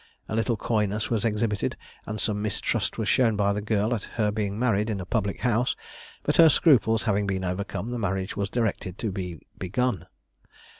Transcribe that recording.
A little coyness was exhibited, and some mistrust was shown by the girl at her being married in a public house; but her scruples having been overcome, the marriage was directed to be begun.